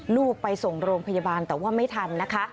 ลูกไปส่งโรงพยาบาลแต่ว่าไม่ทันนะคะ